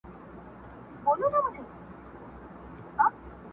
څوك به ويښ څوك به بيده څوك نا آرام وو،